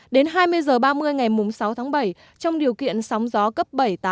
đến hai mươi h ba mươi ngày sáu tháng bảy trong điều kiện sóng gió cấp bảy tám